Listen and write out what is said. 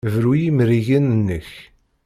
Bru i yimrigen-nnek!